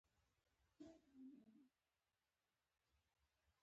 وخت تيريږي مګر په چا ښه او په چا بد.